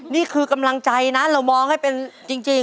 นี่คือกำลังใจนะเรามองให้เป็นจริง